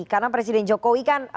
karena presiden jokowi kan